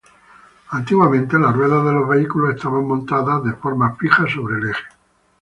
Antiguamente, las ruedas de los vehículos estaban montadas de forma fija sobre el eje.